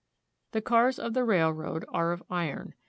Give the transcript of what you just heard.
The cars of the railroad are of iron.